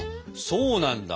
そうなんだ。